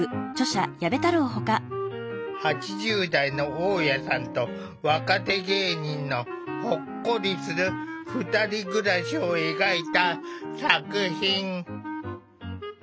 ８０代の大家さんと若手芸人のほっこりする２人暮らしを描いた作品。